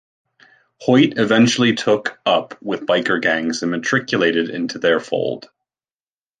Hoyt eventually took up with biker gangs and matriculated into their fold.